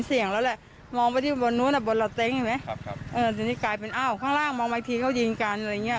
เออทีนี้กลายเป็นอ้าวข้างล่างมองไปอีกทีเขายิงกันอะไรอย่างนี้